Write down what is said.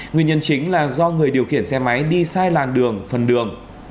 nguyên nhân chính là do người điều khiển xe máy đi sai làn đường phần đường